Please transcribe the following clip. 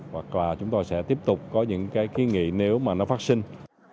hoặc là chúng tôi sẽ tiếp tục có những ký nghị nếu nó phát sinh